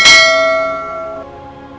aku akan bilang ke mereka